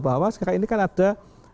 bahwa sekarang ini kan ada